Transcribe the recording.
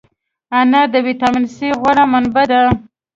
انار د ویټامین C غوره منبع ده.